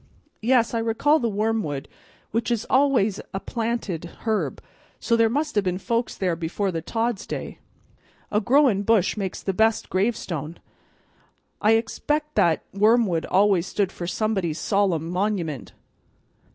Yes, I recall the wormwood, which is always a planted herb, so there must have been folks there before the Todds' day. A growin' bush makes the best gravestone; I expect that wormwood always stood for somebody's solemn monument.